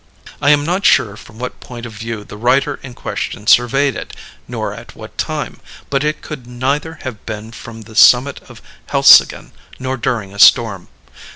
I am not sure from what point of view the writer in question surveyed it, nor at what time; but it could neither have been from the summit of Helseggen, nor during a storm.